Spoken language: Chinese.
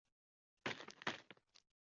左翼宗学与右翼宗学。